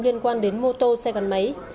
liên quan đến mô tô xe gắn máy